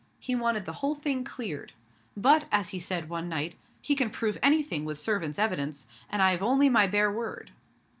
He wanted the whole thing cleared; but, as he said one night, 'He can prove anything with servants' evidence, and I've only my bare word.'